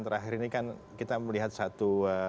terakhir ini kan kita melihat satu